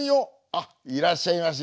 あっいらっしゃいまし。